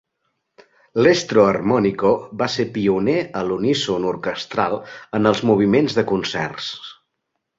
"L'estro armonico" va ser pioner a l"uníson orquestral en els moviments de concerts.